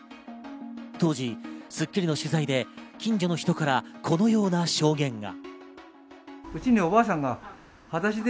当時『スッキリ』の取材で近所の人からこのような証言が。